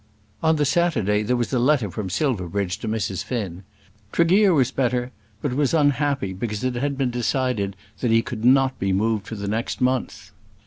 On the Saturday there was a letter from Silverbridge to Mrs. Finn. Tregear was better; but was unhappy because it had been decided that he could not be moved for the next month.